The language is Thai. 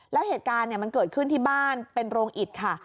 แล้วเหตุการณ์มันเกิดขึ้นที่บ้านเป็นโรงอิดค่ะ